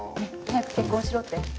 早く結婚しろって？